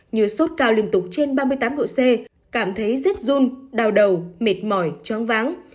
như sốt cao liên tục trên ba mươi tám độ c cảm thấy rất run đau đầu mệt mỏi chóng váng